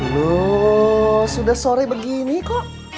loh sudah sore begini kok